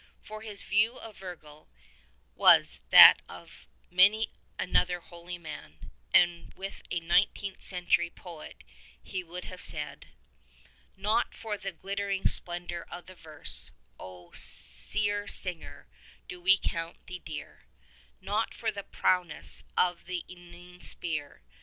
For his view of Virgil was that of many another holy man, and with a nineteenth century poet he would have said : 128 Not for the glittering splendor of the verse, O Seer singer, do "we count thee dear ; Not for the prowess of the ^nean spear.